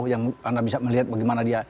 yang anda bisa melihat bagaimana dia